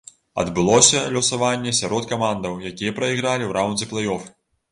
Адбылося лёсаванне сярод камандаў, якія прайгралі ў раўндзе плэй-оф.